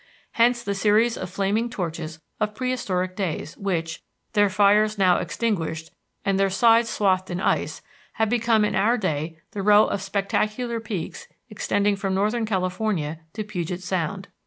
Hence the series of flaming torches of prehistoric days which, their fires now extinguished and their sides swathed in ice, have become in our day the row of spectacular peaks extending from northern California to Puget Sound.